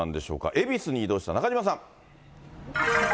恵比寿に移動した中島さん。